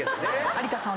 有田さん